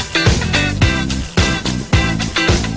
ครับผม